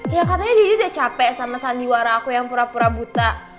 ya katanya jadi udah capek sama sandiwara aku yang pura pura buta